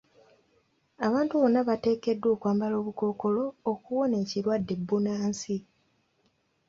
Abantu bonna bateekeddwa okwambala obukookolo okuwona ekirwadde bbunansi.